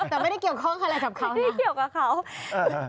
แต่ไม่ได้เกี่ยวข้องอะไรกับเขาไม่ได้เกี่ยวกับเขา